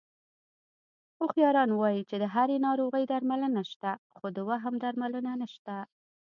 هوښیاران وایي چې د هرې ناروغۍ درملنه شته، خو د وهم درملنه نشته...